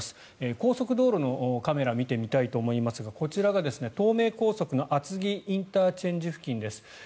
高速道路のカメラ見てみたいと思いますがこちらが東名高速の厚木ＩＣ付近です。